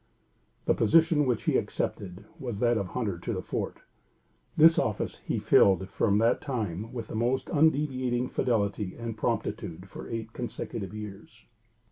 The position which he accepted was that of Hunter to the Fort. This office he filled from that time with the most undeviating fidelity and promptitude for eight consecutive years.